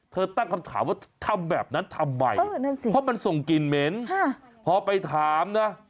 ตั้งคำถามว่าทำแบบนั้นทำไมเพราะมันส่งกลิ่นเหม็นพอไปถามนะ